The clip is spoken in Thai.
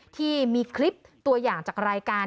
ที่มีคลิปตัวอย่างจากรายการ